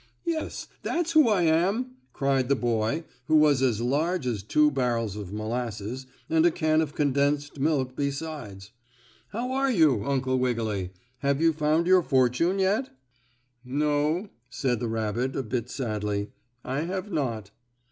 "Yes, that's who I am!" cried the boy who was as large as two barrels of molasses, and a can of condensed milk besides. "How are you, Uncle Wiggily? Have you found your fortune yet?" "No," said the rabbit a bit sadly, "I have not."